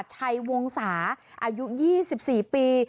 ชัยวงศาอายุ๒๔ปี